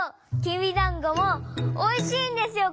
きびだんごもおいしいんですよ